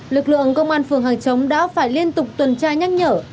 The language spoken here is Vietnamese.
lực lượng công an phường hàng chống đã phải liên tục tuần tra nhắc nhở